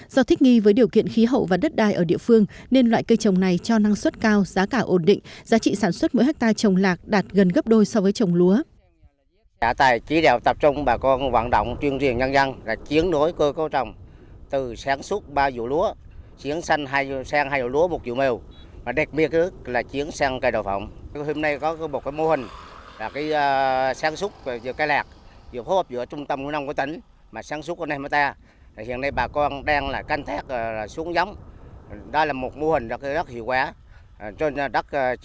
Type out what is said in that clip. do thích nghi với điều kiện khí hậu và đất đai ở địa phương nên loại cây trồng này cho năng suất cao giá cả ổn định giá trị sản xuất mỗi hectare trồng lạc đạt gần gấp đôi so với trồng lúa